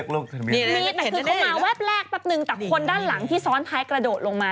แป๊บแรกแป๊บหนึ่งแต่คนด้านหลังที่ซ้อนไทก์กระโดดลงมา